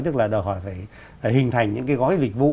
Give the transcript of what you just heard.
tức là đòi hỏi phải hình thành những cái gói dịch vụ